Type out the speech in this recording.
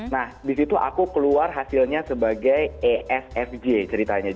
nah di situ aku keluar hasilnya sebagai esfj ceritanya